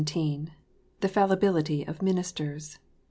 XVII. THE FALLIBILITY OF MINISTERS.